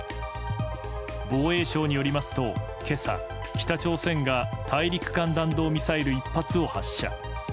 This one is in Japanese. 防衛省によりますと今朝、北朝鮮が大陸間弾道ミサイル１発を発射。